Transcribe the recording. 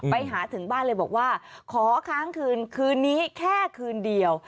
ไปถึงบ้านเลยบอกว่าขอค้างคืนคืนนี้แค่คืนเดียว